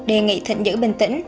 đề nghị thịnh giữ bình tĩnh